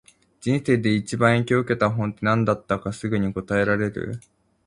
人生で一番影響を受けた本って、何だったかすぐに答えられる？